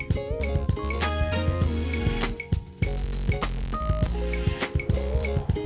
pas u untuk jou